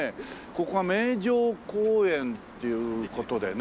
ここが名城公園っていう事でね